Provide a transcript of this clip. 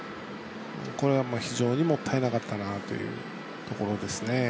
これは非常にもったいなかったなというところですね。